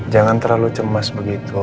jangan terlalu cemas begitu